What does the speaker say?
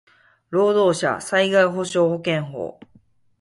労働者災害補償保険法